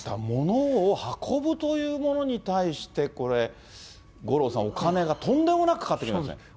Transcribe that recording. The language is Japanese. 物を運ぶというものに対してこれ、五郎さん、お金がとんでもなくかかってきますね。